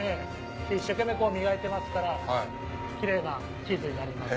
一生懸命こう磨いてますからキレイなチーズになります。